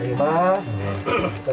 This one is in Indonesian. terima kasih pak